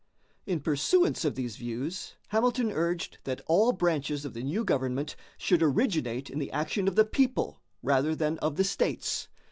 In pursuance of these views, Hamilton urged that all branches of the new government should originate in the action of the people rather than of the states.